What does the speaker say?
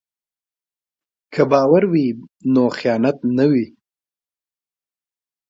که باور وي نو خیانت نه وي.